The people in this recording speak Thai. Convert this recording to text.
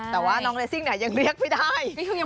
แต่ว่าน้องเรซิ่งเนี่ยยังเรียกไม่ได้